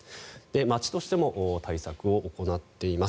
町としても対策を行っています。